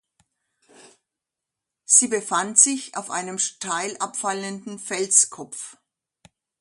Sie befand sich auf einem steil abfallenden Felskopf.